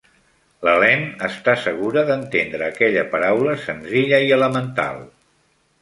L'Helene està segura d'entendre aquella paraula senzilla i elemental.